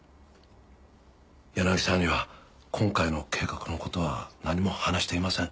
柳沢には今回の計画の事は何も話していません。